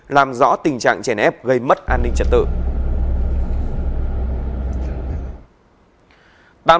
làm rõ tình trạng chèn ép gây mất an ninh trật tự